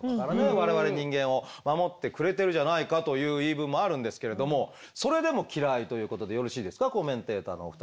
我々人間を守ってくれてるじゃないかという言い分もあるんですけれどもそれでも嫌いということでよろしいですかコメンテーターのお二人。